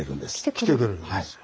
来てくれるんですよ。